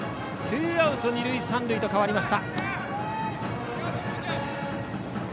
ツーアウト、二塁三塁とかわりました。